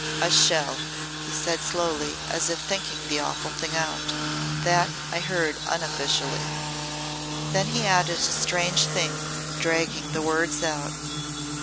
"A shell," he said slowly as if thinking the awful thing out. "That I heard unofficially." Then he added a strange thing, dragging the words out.